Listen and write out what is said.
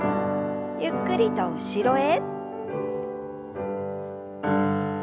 ゆっくりと後ろへ。